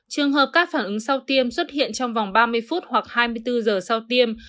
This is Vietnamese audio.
trường hợp các phản ứng sau tiêm xuất hiện trong vòng ba mươi phút hoặc hai mươi bốn giờ sau tiêm